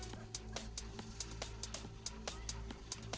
biar diang deh n italian jangan jatelin pak